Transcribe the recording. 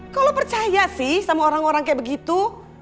kok lo percaya sih sama orang orang kayak begitu